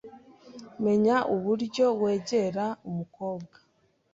Menya uburyo wegera umukobwa